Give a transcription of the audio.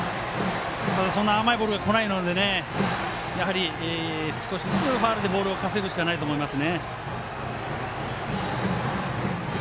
ただ甘いボールがこないので少しずつファウルでボールを稼ぐしかないと思います。